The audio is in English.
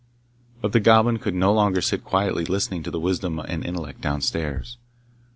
But the Goblin could no longer sit quietly listening to the wisdom and intellect downstairs.